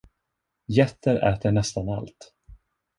Getter äter nästan allt.